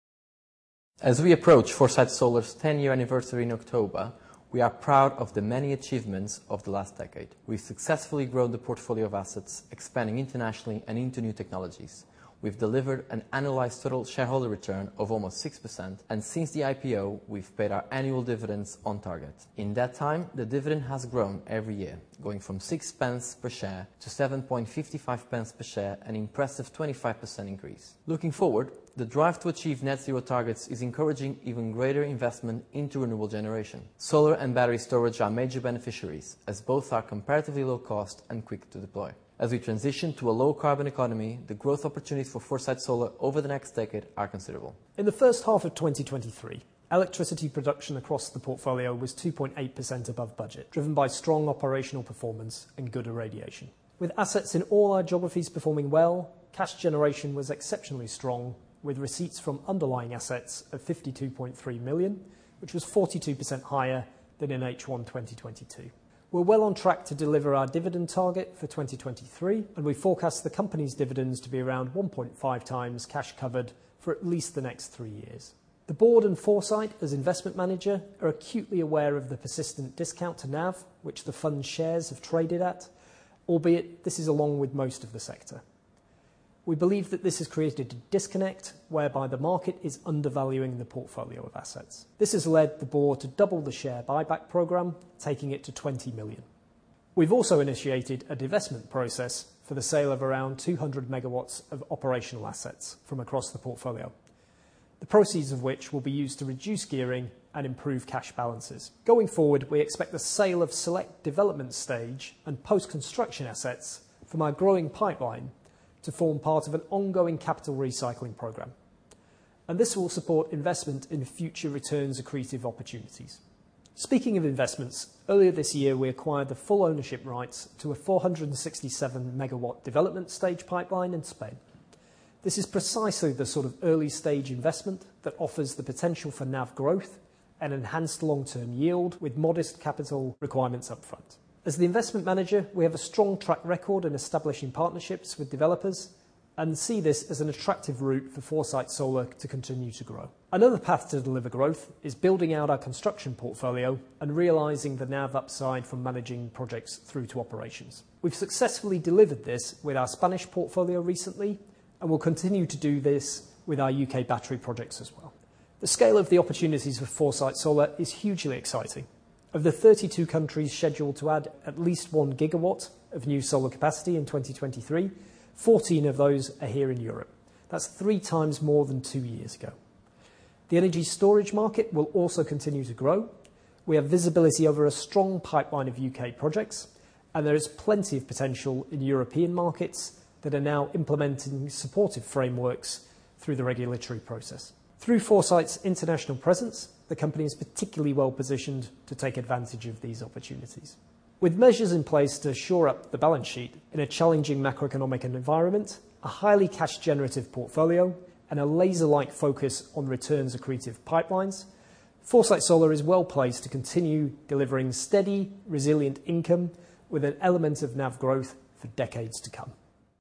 As we approach Foresight Solar's 10-year anniversary in October, we are proud of the many achievements of the last decade. We've successfully grown the portfolio of assets, expanding internationally and into new technologies. We've delivered an annualized total shareholder return of almost 6%, and since the IPO, we've paid our annual dividends on target. In that time, the dividend has grown every year, going from 0.06 per share to 0.0755 per share, an impressive 25% increase. Looking forward, the drive to achieve net zero targets is encouraging even greater investment into renewable generation. Solar and battery storage are major beneficiaries, as both are comparatively low cost and quick to deploy. As we transition to a low-carbon economy, the growth opportunities for Foresight Solar over the next decade are considerable. In the first half of 2023, electricity production across the portfolio was 2.8% above budget, driven by strong operational performance and good irradiation. With assets in all our geographies performing well, cash generation was exceptionally strong, with receipts from underlying assets of 52.3 million, which was 42% higher than in H1 2022. We're well on track to deliver our dividend target for 2023, and we forecast the company's dividends to be around 1.5x cash covered for at least the next three years. The board and Foresight, as investment manager, are acutely aware of the persistent discount to NAV, which the fund shares have traded at, albeit this is along with most of the sector. We believe that this has created a disconnect whereby the market is undervaluing the portfolio of assets. This has led the board to double the share buyback program, taking it to 20 million. We've also initiated a divestment process for the sale of around 200 MW of operational assets from across the portfolio, the proceeds of which will be used to reduce gearing and improve cash balances. Going forward, we expect the sale of select development stage and post-construction assets from our growing pipeline to form part of an ongoing capital recycling program, and this will support investment in future returns-accretive opportunities. Speaking of investments, earlier this year, we acquired the full ownership rights to a 467 MW development stage pipeline in Spain. This is precisely the sort of early-stage investment that offers the potential for NAV growth and enhanced long-term yield with modest capital requirements upfront. As the investment manager, we have a strong track record in establishing partnerships with developers and see this as an attractive route for Foresight Solar to continue to grow. Another path to deliver growth is building out our construction portfolio and realizing the NAV upside from managing projects through to operations. We've successfully delivered this with our Spanish portfolio recently, and we'll continue to do this with our U.K. battery projects as well. The scale of the opportunities for Foresight Solar is hugely exciting. Of the 32 countries scheduled to add at least 1 GW of new solar capacity in 2023, 14 of those are here in Europe. That's three times more than two years ago. The energy storage market will also continue to grow. We have visibility over a strong pipeline of U.K. projects, and there is plenty of potential in European markets that are now implementing supportive frameworks through the regulatory process. Through Foresight's international presence, the company is particularly well-positioned to take advantage of these opportunities. With measures in place to shore up the balance sheet in a challenging macroeconomic environment, a highly cash-generative portfolio, and a laser-like focus on returns-accretive pipelines, Foresight Solar is well-placed to continue delivering steady, resilient income with an element of NAV growth for decades to come.